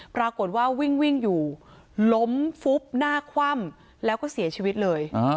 ปรากฏว่าวิ่งอยู่ล้มฟุบหน้าคว่ำแล้วก็เสียชีวิตเลย